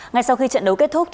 ngay sau khi trận đấu kết thúc